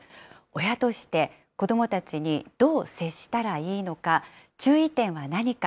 親として、子どもたちにどう接したらいいのか、注意点は何か。